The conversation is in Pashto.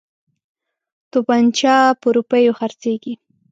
توپنچه په روپیو خرڅیږي.